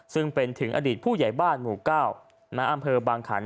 ซึ่งเป็นถึงอดีตผู้ใหญ่บ้านหมู่๙ณอำเภอบางขัน